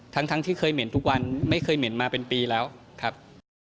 ทั้งที่เคยเหม็นทุกวันไม่เคยเหม็นมาเป็นปีแล้วครับ